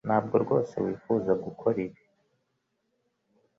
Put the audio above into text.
Ntabwo rwose wifuza gukora ibi